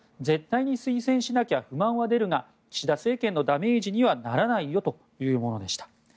絶対に推薦しなきゃ不満は出るが岸田政権のダメージにはならないよというものでした。